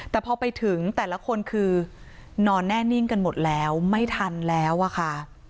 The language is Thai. แต่พอไปถึงแต่ละคนคือนอนแน่นิ่งกันหมดแล้วไม่ทันแล้วอะค่ะ